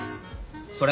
それ！